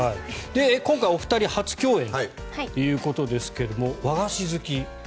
今回、お二人は初共演ということですが和菓子好き。